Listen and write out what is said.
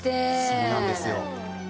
そうなんですよ。